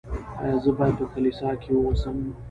ایا زه باید په کاپیسا کې اوسم؟